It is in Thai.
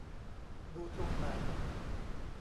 ดูตรงไหน ?